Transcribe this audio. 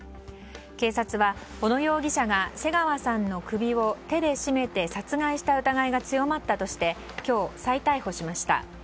警察は小野容疑者が瀬川さんの首を手で絞めて殺害した疑いが強まったとして今日、再逮捕しました。